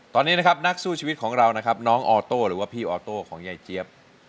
ตอนนี้นะครับนักสู้ชีวิตของเรานะครับน้องออโต้หรือว่าพี่ออโต้ของยายเจี๊ยบ